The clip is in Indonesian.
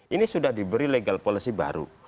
ini sudah diberi legal policy baru